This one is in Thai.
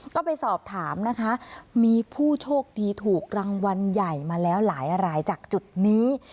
ก็ไปสอบถามนะคะมีผู้โชคดีถูกรางวัลใหญ่มาแล้วหลายรายจากจุดนี้